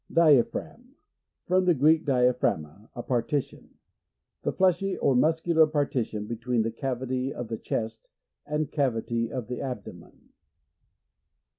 Diaphragm. — From the Gieek, dia pkragma, a partition. The fleshy or muscular partition, between the cavity of the chest and cavity of the abdomen.